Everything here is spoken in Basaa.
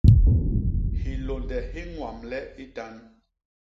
Hilônde hi ññwamle i tan.